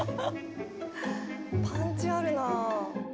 パンチあるな。